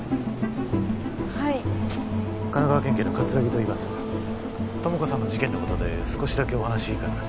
はい神奈川県警の葛城といいます友果さんの事件のことで少しだけお話いいかな？